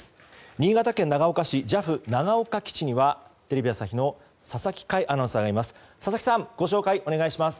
新潟県長岡市ＪＡＦ長岡基地にはテレビ朝日の佐々木快アナウンサーがいます。